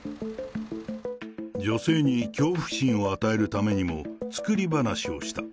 女性に恐怖心を与えるためにも、作り話をした。